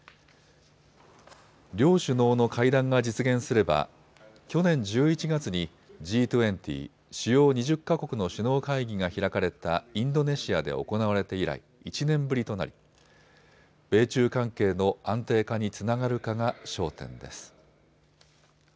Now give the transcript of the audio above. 両首脳の会談が実現すれば去年１１月にＧ２０・主要２０か国の首脳会議が開かれたインドネシアで行われて以来、１年ぶりとなり米中関係の安定化につながるかが焦点です。